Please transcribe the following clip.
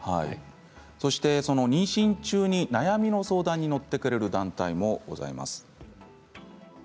そして妊娠中に悩みの相談に乗ってくれる団体もございます。